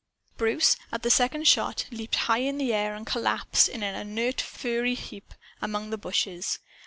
Bruce, at the second shot, leaped high in the air, and collapsed, in an inert furry heap, among the bushes.